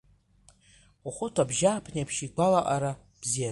Хәыхәыт абжьааԥнеиԥш игәалаҟара бзиан.